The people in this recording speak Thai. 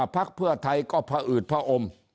พักเพื่อไทยก็พออืดผอม